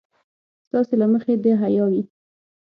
ستاسې له مخې د حيا وي.